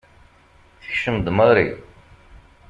Tekcem-d Mary.